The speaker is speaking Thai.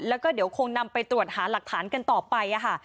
แล้วก็เดี๋ยวคงนำไปตรวจหาหลักฐานกันต่อไปค่ะ